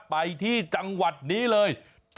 ไปที่จังหวัดนี้เลย